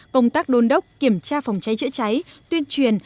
công tác đôn đốc kiểm tra phòng cháy chữa cháy tuyên truyền